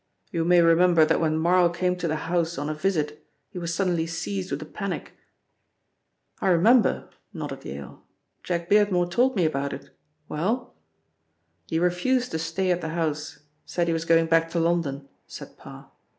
You may remember that when Marl came to the house on a visit he was suddenly seized with a panic." "I remember," nodded Yale. "Jack Beardmore told me about it. Well?" "He refused to stay at the house, said he was going back to London," said Parr.